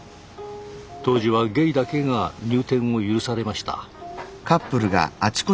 当時はゲイだけが入店を許されました。